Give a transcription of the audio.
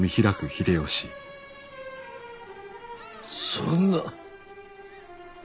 そんな！